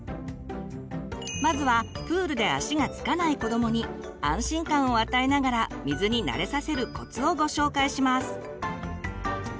まずはプールで足が着かない子どもに安心感を与えながら水に慣れさせるコツをご紹介します！